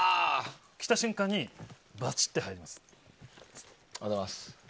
着た瞬間にバチッとなります。